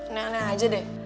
aneh aneh aja deh